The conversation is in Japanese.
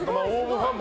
ファンね。